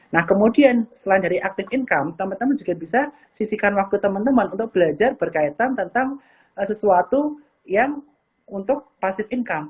nah kemudian selain dari active income teman teman juga bisa sisikan waktu teman teman untuk belajar berkaitan tentang sesuatu yang untuk passive income